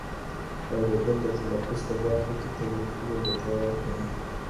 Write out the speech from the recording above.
اورېدل د تلفظ په برخه کي تر لیکلو ګټور دي.